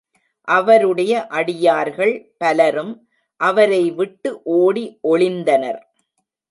அவருடைய அடியார்கள் பலரும் அவரைவிட்டு ஓடி ஒளிந்தனர்.